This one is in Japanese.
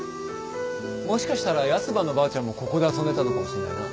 もしかしたらヤスばのばあちゃんもここで遊んでたのかもしんないな。